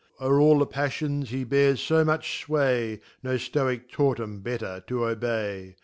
Ore all the Paffions he bears fomnch fway, No Stoic^ taught cm better to obey.